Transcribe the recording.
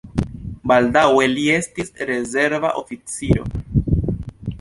Baldaŭe li estis rezerva oficiro.